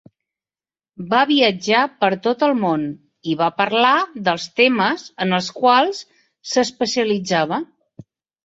Va viatjar per tot el món i va parlar dels temes en els quals s'especialitzava.